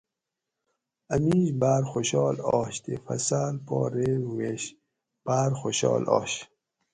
اۤ میش باۤر خوشال آش تے فصاۤل پا رین ووینش بار خوشال آش